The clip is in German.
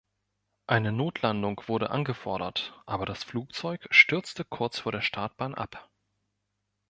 Eine Notlandung wurde angefordert, aber das Flugzeug stürzte kurz vor der Startbahn ab.